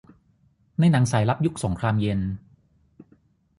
ในหนังสายลับยุคสงครามเย็น